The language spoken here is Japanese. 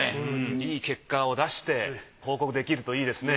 いい結果を出して報告できるといいですね。